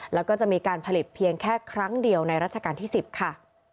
แล้วก็จะมีการผลิตเพียงแค่ครั้งเดียวในรัชกาลที่๑๐ค่ะ